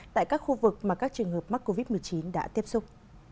tại các khu vực mà các trường hợp mắc covid một mươi chín đã tiếp xúc